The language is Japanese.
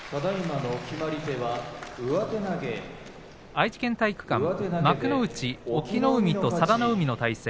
愛知県体育館幕内、隠岐の海と佐田の海の対戦